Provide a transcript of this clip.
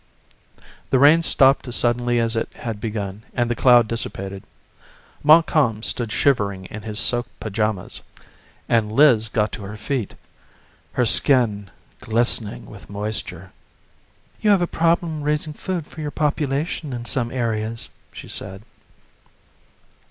The rain stopped as suddenly as it had begun and the cloud dissipated. Montcalm stood shivering in his soaked pajamas and Liz got to her feet, her skin glistening with moisture. "You have a problem raising food for your population in some areas," she said....